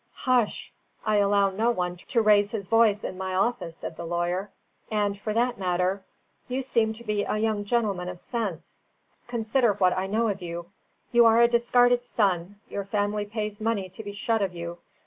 "Hush! I allow no one to raise his voice in my office," said the lawyer. "And for that matter you seem to be a young gentleman of sense consider what I know of you. You are a discarded son; your family pays money to be shut of you.